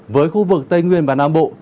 với khu vực tây nguyên và nam bộ